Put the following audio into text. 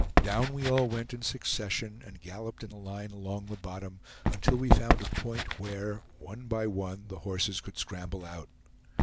Down we all went in succession and galloped in a line along the bottom, until we found a point where, one by one, the horses could scramble out.